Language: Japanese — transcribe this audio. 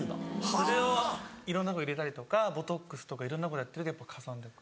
それをいろんなとこ入れたりとかボトックスとかいろんなことやってるとかさんでいく。